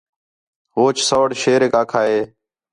ہوچ سوڑ شیریک آکھا ہِے